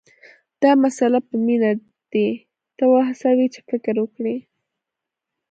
دا مسله به مينه دې ته وهڅوي چې فکر وکړي